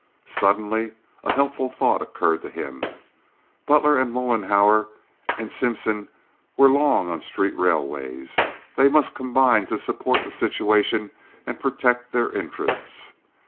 Suddenly a helpful thought occurred to him. Butler and Mollenhauer and Simpson were long on local street railways. They must combine to support the situation and protect their interests.